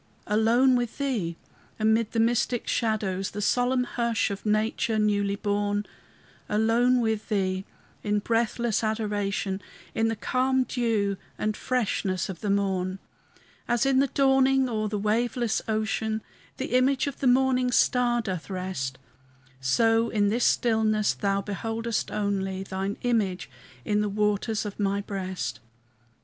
Alone with Thee, amid the mystic shadows, The solemn hush of nature newly born; Alone with Thee in breathless adoration, In the calm dew and freshness of the morn. As in the dawning o'er the waveless ocean The image of the morning star doth rest, So in this stillness Thou beholdest only Thine image in the waters of my breast.